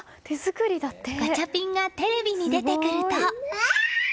ガチャピンがテレビに出てくると。